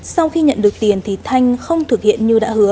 sau khi nhận được tiền thì thanh không thực hiện như đã hứa